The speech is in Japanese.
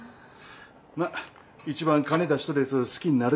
まあ一番金出しとるやつを好きになるんやろな。